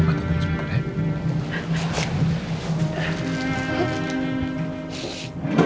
mama sudah senang dengan kamu